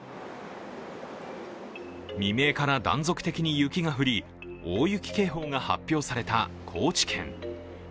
未明から断続的に雪が降り大雪警報が発表された高知県。